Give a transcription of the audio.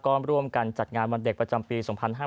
ก็ร่วมกันจัดงานวันเด็กประจำปี๒๕๕๙